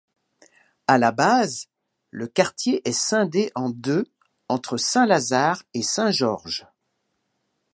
À la base, le quartier est scindé en deux entre Saint-Lazare et Saint-Georges.